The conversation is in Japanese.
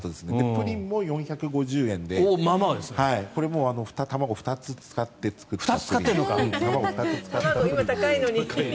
プリンも４５０円でこれも卵２つ使って作ったという。